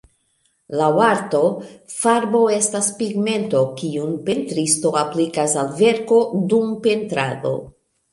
Laŭ arto, farbo estas pigmento kiun pentristo aplikas al verko dum pentrado.